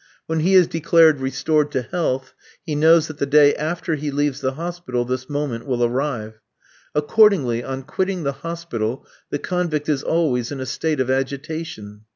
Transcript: When he is declared restored to health, he knows that the day after he leaves the hospital this moment will arrive. Accordingly, on quitting the hospital the convict is always in a state of agitation.